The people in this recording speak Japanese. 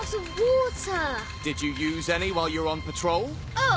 あっ！